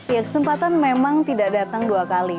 ya kesempatan memang tidak datang dua kali